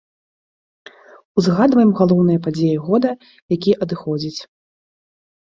Узгадваем галоўныя падзеі года, які адыходзіць.